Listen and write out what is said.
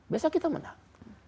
besok kita menang